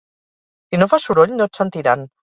Si no fas soroll no et sentiran.